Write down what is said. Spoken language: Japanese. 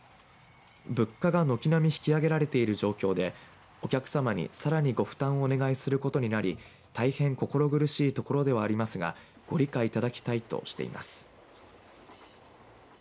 物価が軒並み引き上げられている状況でお客様にさらにご負担をお願いすることになり大変心苦しいところではありますがご理解いただきたいとしています。